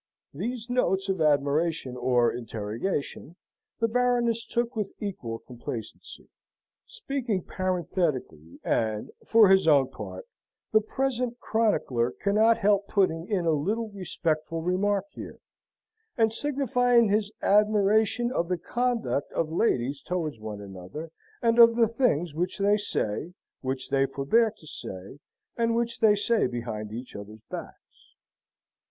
These notes of admiration or interrogation, the Baroness took with equal complacency (speaking parenthetically, and, for his own part, the present chronicler cannot help putting in a little respectful remark here, and signifying his admiration of the conduct of ladies towards one another, and of the things which they say, which they forbear to say, and which they say behind each other's backs.